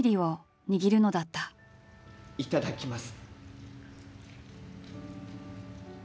いただきます。